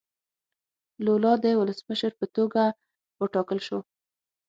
لولا د ولسمشر په توګه وټاکل شو.